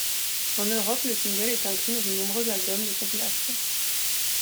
En Europe le single est inclus dans de nombreux album de compilations.